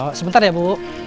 oh sebentar ya ibu